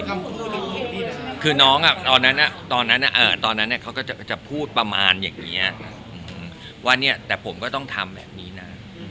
คุณคืนน้องตอนนั้นเค้าจะพูดประมาณอย่างนี้ว่าผมมันก็ต้องทำแบบนี้นะ